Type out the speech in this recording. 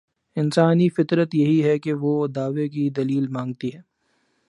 انسانی فطرت یہی ہے کہ وہ دعوے کی دلیل مانگتی ہے۔